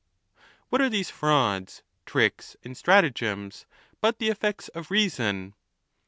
What are these frauds, tricks, and stratagems but the effects of reason